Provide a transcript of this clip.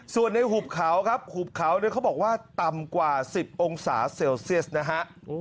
ส่วนในหุบเขาครับหุบเขาเนี่ยเขาบอกว่าต่ำกว่า๑๐องศาเซลเซียสนะฮะ